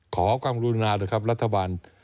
ขอกำลุงนานะครับรัฐบาล